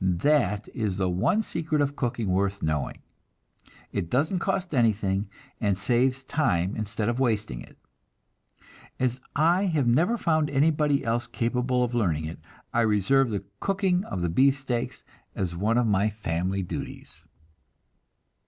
That is the one secret of cooking worth knowing; it doesn't cost anything, and saves time instead of wasting it. As I have never found anybody else capable of learning it, I reserve the cooking of the beefsteak as one of my family duties.